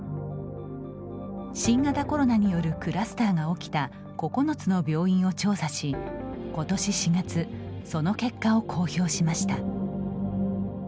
新型コロナによるクラスターが起きた９つの病院を調査しことし４月その結果を公表しました。